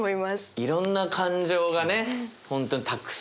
いろんな感情がね本当たくさん。